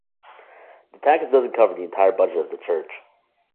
The tax doesn't cover the entire budget of the church.